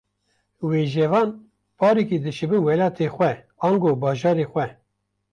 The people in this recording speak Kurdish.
Wêjevan, parîkî dişibin welatê xwe ango bajarê xwe